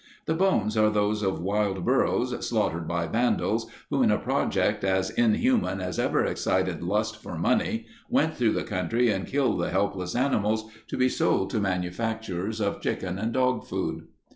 The bones are those of wild burros slaughtered by vandals who in a project as inhuman as ever excited lust for money, went through the country and killed the helpless animals, to be sold to manufacturers of chicken and dog food.